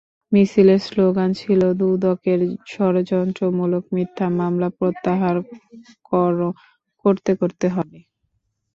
মিছিলের স্লোগান ছিল দুদকের ষড়যন্ত্রমূলক মিথ্যা মামলা প্রত্যাহার কর, করতে করতে হবে।